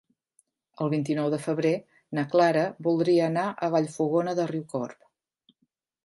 El vint-i-nou de febrer na Clara voldria anar a Vallfogona de Riucorb.